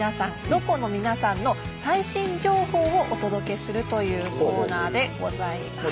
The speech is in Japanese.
ロコの皆さんの最新情報をお届けするというコーナーでございます。